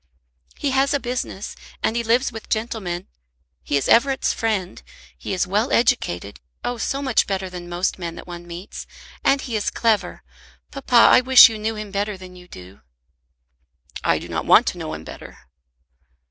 "He has a business, and he lives with gentlemen. He is Everett's friend. He is well educated; oh, so much better than most men that one meets. And he is clever. Papa, I wish you knew him better than you do." "I do not want to know him better."